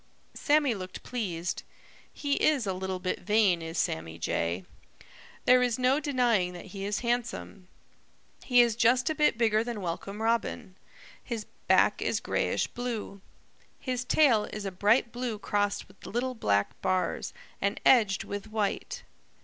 Sammy looked pleased. He is a little bit vain, is Sammy Jay. There is no denying that he is handsome. He is just a bit bigger than Welcome Robin. His back is grayish blue. His tail is a bright blue crossed with little black bars and edged with white.